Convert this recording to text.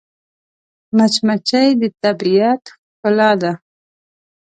مچمچۍ د طبیعت ښکلا ده